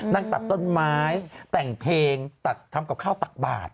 นั่งตัดต้นไม้แต่งเพลงตัดทำกับข้าวตักบาท